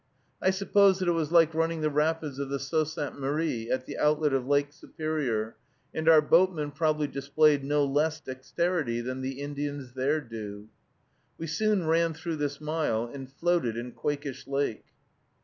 I suppose that it was like running the rapids of the Sault Sainte Marie, at the outlet of Lake Superior, and our boatmen probably displayed no less dexterity than the Indians there do. We soon ran through this mile, and floated in Quakish Lake.